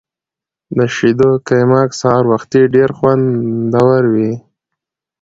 د شیدو قیماق سهار وختي ډیر خوندور وي.